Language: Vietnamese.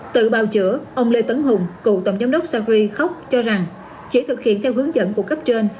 tự bào chữa ông lê tấn hùng cựu tổng giám đốc sacri khóc cho rằng chỉ thực hiện theo hướng dẫn của cấp trên